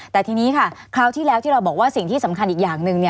แต่ทีนี้ค่ะคราวที่แล้วที่เราบอกว่าสิ่งที่สำคัญอีกอย่างหนึ่ง